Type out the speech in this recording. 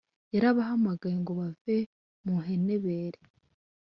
yarabahamagaye ngo bave mu henebere